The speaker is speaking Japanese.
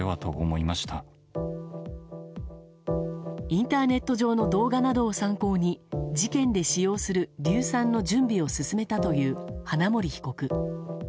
インターネット上の動画などを参考に事件で使用する硫酸の準備を進めたという花森被告。